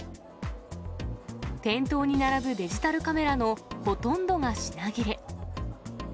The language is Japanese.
店頭に並ぶデジタルカメラのほとんどが品切れ。